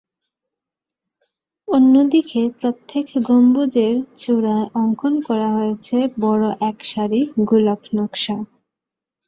অন্যদিকে প্রত্যেক গম্বুজের চূড়ায় অঙ্কন করা হয়েছে বড় এক সারি গোলাপ নকশা।